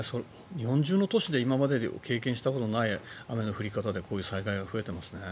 日本中の都市で今までに経験したことのないような雨の降り方でこういう災害が増えていますね。